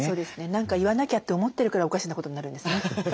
何か言わなきゃって思ってるからおかしなことになるんですね。